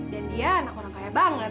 dan dia anak orang kaya banget